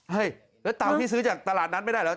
เฮ้ยแล้วเตาที่ซื้อจากตลาดนั้นไม่ได้เหรอ